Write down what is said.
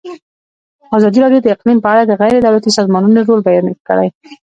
ازادي راډیو د اقلیم په اړه د غیر دولتي سازمانونو رول بیان کړی.